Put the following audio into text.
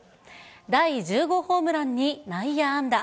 第１０号ホームランに内野安打。